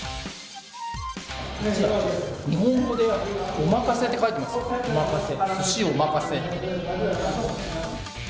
日本語でおまかせって書いてますよ、おまかせ。